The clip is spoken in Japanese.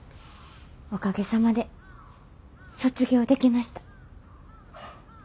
おかげさまで卒業できました。